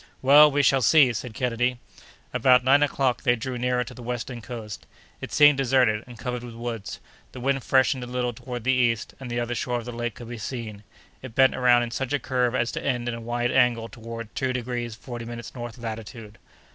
"Well, we shall see!" said Kennedy. About nine o'clock they drew nearer to the western coast. It seemed deserted, and covered with woods; the wind freshened a little toward the east, and the other shore of the lake could be seen. It bent around in such a curve as to end in a wide angle toward two degrees forty minutes north latitude.